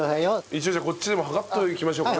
一応じゃあこっちでも計っておきましょうかね。